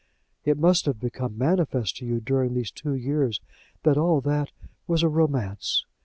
It must have become manifest to you during these two years that all that was a romance.